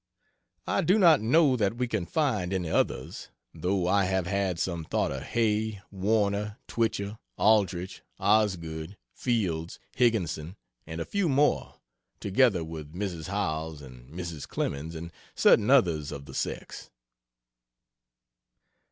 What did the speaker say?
I do not know that we can find any others, though I have had some thought of Hay, Warner, Twichell, Aldrich, Osgood, Fields, Higginson, and a few more together with Mrs. Howells, Mrs. Clemens, and certain others of the sex."